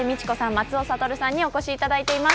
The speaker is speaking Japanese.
松尾諭さんにお越しいただいています。